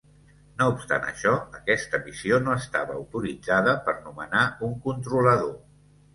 No obstant això, aquesta missió no estava autoritzada per nomenar un controlador.